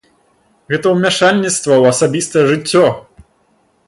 Гэта ж умяшальніцтва ў асабістае жыццё!